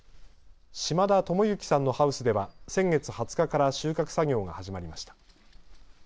島田智之さんのハウスでは先月２０日から収穫作業が始まりました。